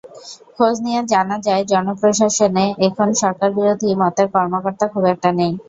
খোঁজ নিয়ে জানা যায়, জনপ্রশাসনে এখন সরকারবিরোধী মতের কর্মকর্তা খুব একটা নেই।